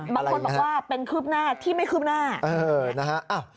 บางคนบอกว่าเป็นคืบหน้าที่ไม่คืบหน้านะฮะ